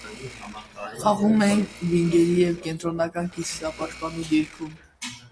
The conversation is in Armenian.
Խաղում է վինգերի և կենտրոնական կիսապաշտպանի դիրքում։